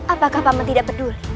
apakah paman tidak peduli